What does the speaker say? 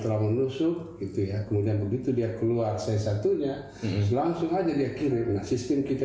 telah menusuk itu ya kemudian begitu dia keluar saya satunya langsung aja dia kirim sistem kita